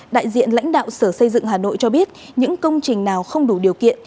đại diện lãnh đạo sở xây dựng hà nội cho biết những công trình nào không đủ điều kiện